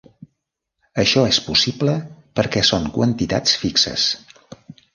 Això és possible perquè són quantitats fixes.